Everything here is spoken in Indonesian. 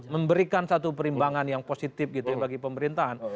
memberikan satu perimbangan yang positif gitu ya bagi pemerintahan